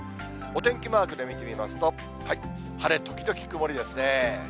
お天気マークで見てみますと、晴れ時々曇りですね。